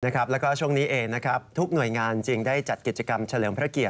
แล้วก็ช่วงนี้เองทุกหน่วยงานจึงได้จัดกิจกรรมเฉลิมพระเกียรติ